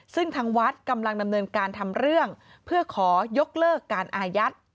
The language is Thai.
ซึ่งทางวัดกำลังดำเนินการทำเรื่องเพื่อขอยกเลิกการอายัด